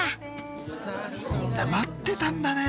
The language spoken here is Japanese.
みんな待ってたんだね。